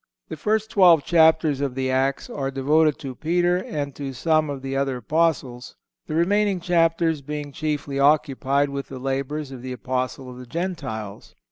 The first twelve chapters of the Acts are devoted to Peter and to some of the other Apostles, the remaining chapters being chiefly occupied with the labors of the Apostles of the Gentiles.